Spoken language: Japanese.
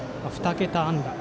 ２桁安打。